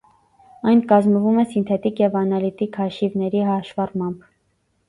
Այն կազմվում է սինթետիկ և անալիտիկ հաշիվների հաշվառմամբ։